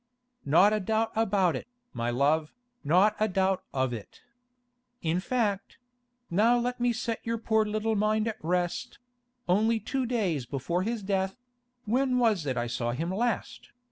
'Not a doubt about it, my love; not a doubt of it. In fact—now let me set your poor little mind at rest—only two days before his death—when was it I saw him last?